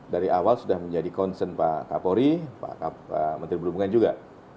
dari awal sudah menjadi concern pak kapolri pak menteri perhubungan juga